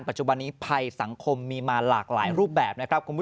ปัจจุบันนี้ภายสังคมมีมาหลายรูปแบบ